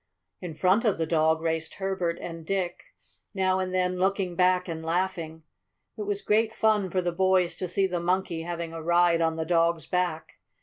In front of the dog raced Herbert and Dick, now and then looking back and laughing. It was great fun for the boys to see the Monkey having a ride on the dog's back.